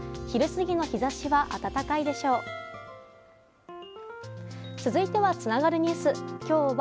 昼過ぎの日ざしは暖かいでしょう。